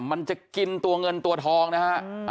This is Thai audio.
มันจะกินตัวเงินตัวทองนะฮะ